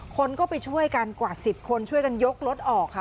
คนก็ไปช่วยกันกว่า๑๐คนช่วยกันยกรถออกค่ะ